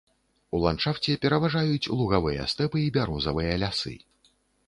У ландшафце пераважаюць лугавыя стэпы і бярозавыя лясы.